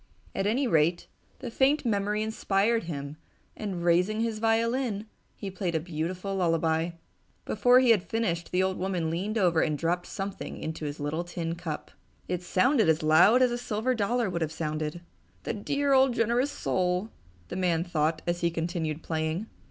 At any rate, the faint memory inspired him and, raising his violin, he played a beautiful lullaby. Before he had finished the old woman leaned over and dropped something into his little tin cup. It sounded as loud as a silver dollar would have sounded. "The dear old generous soul!" the old man thought as he continued playing.